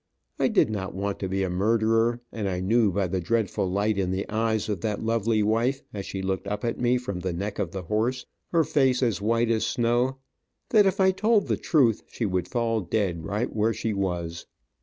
I did not want to be a murderer, and I knew, by the dreadful light in the eyes of that lovely wife, as she looked up at me from the neck of the horse, her face as white as snow, that if I told the truth she would fall dead right where she was.